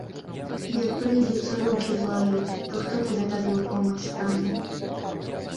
Як прыйдзецца рукі злажыць, то хто табе тады ў помач стане?